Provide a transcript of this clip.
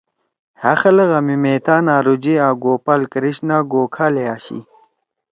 ہأ خلگا می مہتہ، ناروجی آں گوپال کرشنا گوکھالے آشی